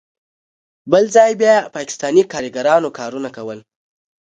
بل ځای بیا پاکستانی کاریګرانو کارونه کول.